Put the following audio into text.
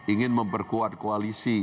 ingin memperkuat koalisi